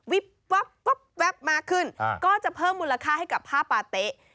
วิบป๊อบป๊อบป๊อบมาขึ้นก็จะเพิ่มมูลค่าให้กับผ้าปาเตะ